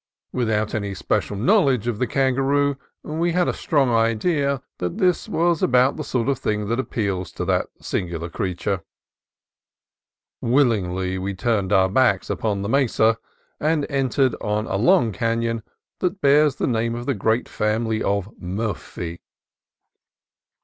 Without any special knowledge of the kangaroo, we had a strong idea that this was about the sort of thing that appeals to that singular creature. Willingly we turned our backs upon the mesa, and entered on a long canon that bears the name of the great family of Murphy.